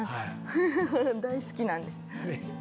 フフフ大好きなんです。